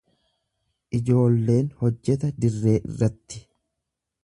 Ijoolleen hojjeta dirree irratti.